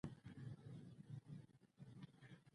قلم او کتاب لازم دي.